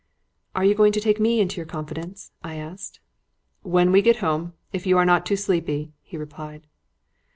"Are you going to take me into your confidence?" I asked. "When we get home, if you are not too sleepy," he replied.